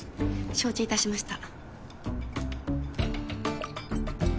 承知いたしました。